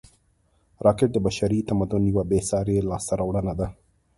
راکټ د بشري تمدن یوه بېساري لاسته راوړنه ده